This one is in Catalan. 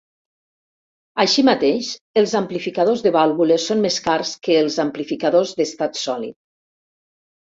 Així mateix, els amplificadors de vàlvules són més cars que els amplificadors d'estat sòlid.